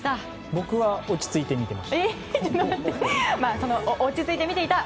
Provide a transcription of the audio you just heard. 僕は落ち着いて見ていました。